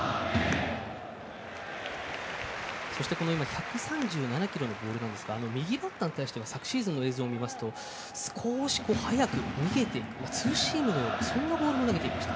１３７キロのボールですが右バッターに対しては昨シーズンの映像を見ますと少し早く逃げるツーシームのようなそんなボールを投げていました。